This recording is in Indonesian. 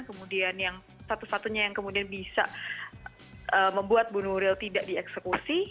kemudian yang satu satunya yang kemudian bisa membuat bu nuril tidak dieksekusi